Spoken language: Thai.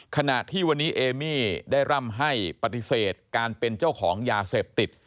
ขณะที่วันนี้เอมี่ได้ร่ำให้ปฏิเสธการเป็นเจ้าของยาเสพติด